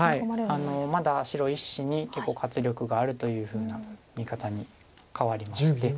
まだ白１子に結構活力があるというふうな見方に変わりまして。